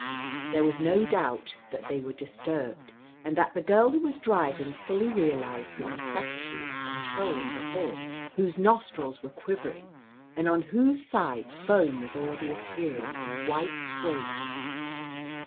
There was no doubt that they were dis turbed, and that the girl who was driving fully realized the necessity of controlling the horse, whose nostrils were quivering, and on whose sides foam was already appear ing in white swathes.